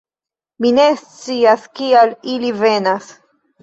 Mi ne scias, kial ili venas....